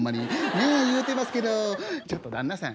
ねえ言うてますけどちょっと旦那さん